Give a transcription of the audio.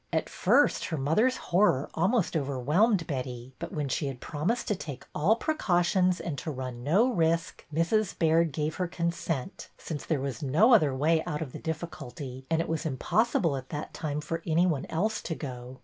At first her mother's horror almost overwhelmed Betty, but when she had promised to take all precautions, and to run no risk, Mrs. Baird gave her consent, since there was no other way out of the difficulty, and it was impossible at that time for any one else to go.